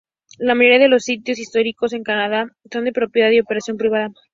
La mayoría de los sitios históricos en Canadá son de propiedad y operación privada.